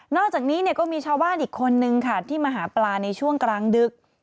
อกจากนี้เนี่ยก็มีชาวบ้านอีกคนนึงค่ะที่มาหาปลาในช่วงกลางดึก